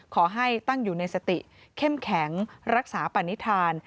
ขอให้ตั้งอยู่ในสติเข้มแข็งรักษาปณิธาน